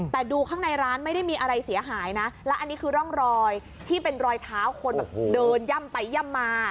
แต่ดูข้างในร้านไม่ได้มีอะไรเสียหายนะและอันนี้คือร่องรอยที่เป็นรอยเท้าคนแบบเดินย่ำไปย่ำมา